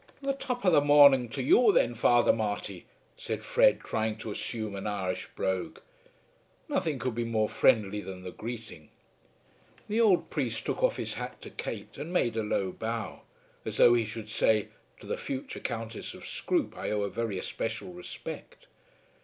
"The top of the morning to you thin, Father Marty," said Fred, trying to assume an Irish brogue. Nothing could be more friendly than the greeting. The old priest took off his hat to Kate, and made a low bow, as though he should say, to the future Countess of Scroope I owe a very especial respect.